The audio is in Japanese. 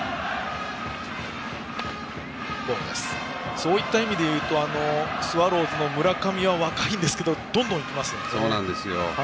そういった意味ではスワローズの村上は若いんですがどんどん行きますね。